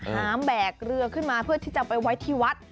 หามแบกเรือขึ้นมาเพื่อที่จะไปไว้ที่วัด